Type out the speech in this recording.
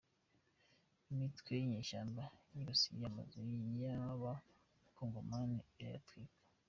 Imitwe yinyeshyamba yibasiye amazu y’Abakongomani irayatwika